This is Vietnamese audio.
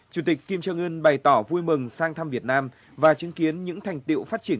chủ tịch kim trương ưn bày tỏ vui mừng sang thăm việt nam và chứng kiến những thành tiệu phát triển